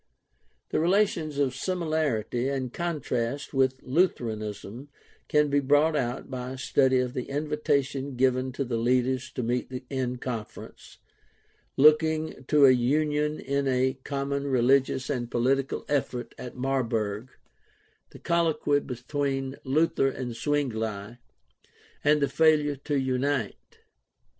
The relations of similarity and contrast with Lutheranism can be brought out by a study of the invitation given to the leaders to meet in conference, looking to a union in a com mon religious and poHtical effort at Marburg, the colloquy between Luther and Zwingli, and the failure to unite.